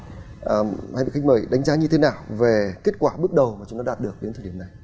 thưa quý vị khách mời đánh giá như thế nào về kết quả bước đầu mà chúng ta đạt được đến thời điểm này